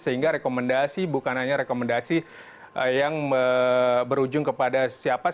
sehingga rekomendasi bukan hanya rekomendasi yang berujung kepada siapa sih yang harus diperiksa